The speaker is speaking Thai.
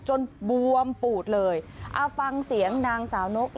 บวมปูดเลยเอาฟังเสียงนางสาวนก